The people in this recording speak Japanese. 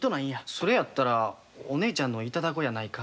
「それやったらお姉ちゃんの頂こうやないか」